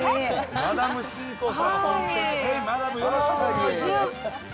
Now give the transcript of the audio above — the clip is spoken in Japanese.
マダム、よろしくお願いします。